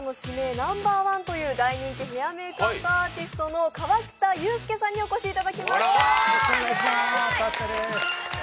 ナンバーワンという大人気ヘアメークアップアーティストの河北裕介さんにお越しいただきました。